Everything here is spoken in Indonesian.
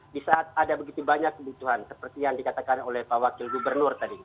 di saat ada begitu banyak kebutuhan seperti yang dikatakan oleh pak wakil gubernur tadi